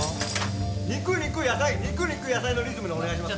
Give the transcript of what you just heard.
肉肉野菜肉肉野菜のリズムでお願いします